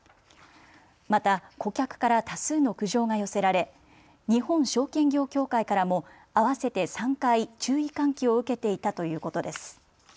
また顧客から多数の苦情が寄せられ日本証券業協会からも合わせて３回注意喚起を受けていたということです。